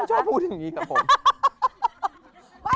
ไม่ชอบพูดอย่างงี้กับผม